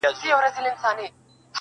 • تور بورا دي وزر بل محفل ته یوسي -